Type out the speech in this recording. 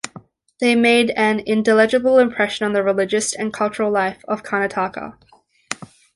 They made an indelible impression on the religious and cultural life of Karnataka.